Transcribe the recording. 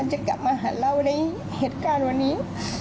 จะกลับมาหาเราในเหตุการณ์วันนี้